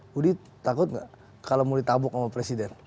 budi takut gak kalau mau ditabok sama presiden